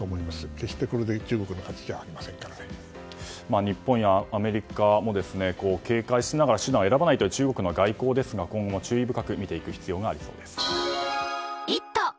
決して、これで中国の勝ちじゃ日本やアメリカも警戒しながらも手段を選ばないという中国の外交ですが今後も注意深く見ていく必要がありそうです。